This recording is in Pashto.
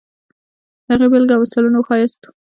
د هغې بېلګې او مثالونه وښیاست.